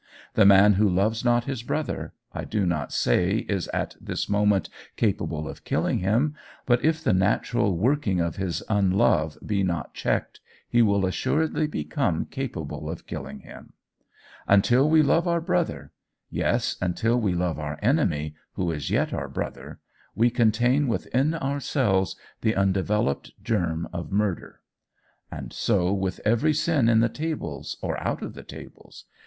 The man who loves not his brother, I do not say is at this moment capable of killing him, but if the natural working of his unlove be not checked, he will assuredly become capable of killing him. Until we love our brother, yes, until we love our enemy, who is yet our brother, we contain within ourselves the undeveloped germ of murder. And so with every sin in the tables or out of the tables.